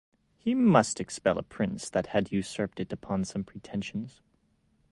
He must expel a prince that had usurped it upon some pretensions.